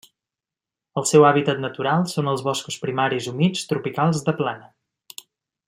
El seu hàbitat natural són els boscos primaris humits tropicals de plana.